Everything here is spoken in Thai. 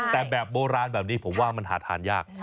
แต่แบบโบราณแบบนี้ผมว่ามันหาทานยาก